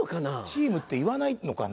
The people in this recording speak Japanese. チームっていわないのかな？